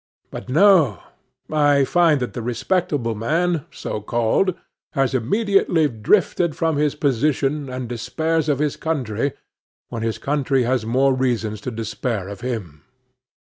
But no: I find that the respectable man, so called, has immediately drifted from his position, and despairs of his country, when his country has more reasons to despair of him.